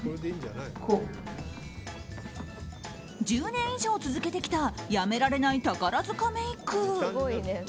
１０年以上続けてきたやめられない宝塚メイク。